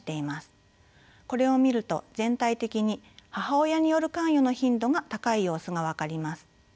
これを見ると全体的に母親による関与の頻度が高い様子が分かります。